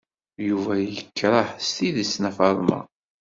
Yuba yekreh s tidet Nna Faḍma.